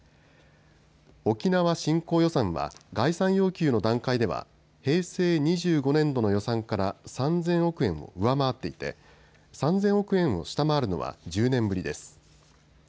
沖縄振興予算は概算要求の段階では平成２５年度の予算から３０００億円を上回っていて３０００億円を下回るのは１０年ぶりです。